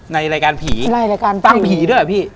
ในรายการผีฟังผีด้วยหรือพี่